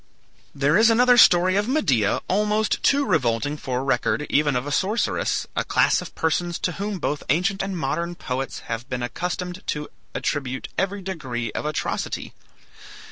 There is another story of Medea almost too revolting for record even of a sorceress, a class of persons to whom both ancient and modern poets have been accustomed to attribute every degree of atrocity.